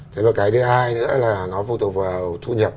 thế và cái thứ hai nữa là nó phụ thuộc vào thu nhập